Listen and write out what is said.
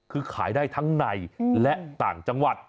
คือขายได้ทั้งในและต่างจังหวัด